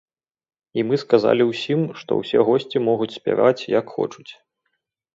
І мы сказалі ўсім, што ўсе госці могуць спяваць як хочуць.